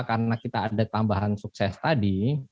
karena kita ada tambahan sukses tadi